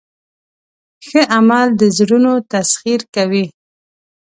ښه عمل د زړونو تسخیر کوي.